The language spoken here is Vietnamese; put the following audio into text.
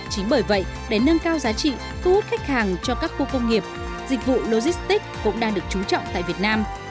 chính bởi vậy để nâng cao giá trị thu hút khách hàng cho các khu công nghiệp dịch vụ logistics cũng đang được trú trọng tại việt nam